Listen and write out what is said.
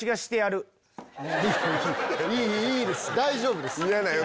大丈夫です！